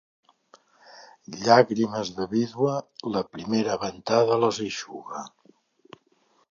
Llàgrimes de vídua, la primera ventada les eixuga.